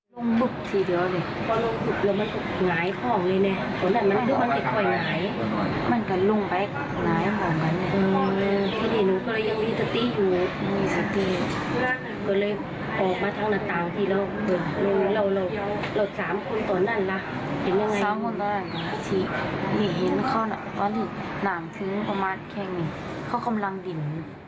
หลีกหินเขาหนังพื้นประมาณแค่นิดเขาคำลังหลิ่น